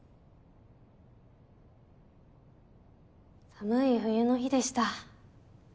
寒い冬の日でした。